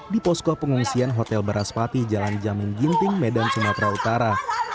di posko pengungsian hotel baraspati jalan jaming ginting medan sumatera utara